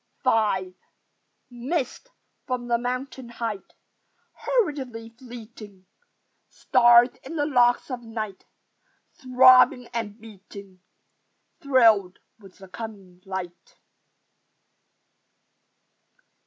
V Mist from the mountain height Hurriedly fleeting: Star in the locks of Night Throbbing and beating, Thrilled with the coming light.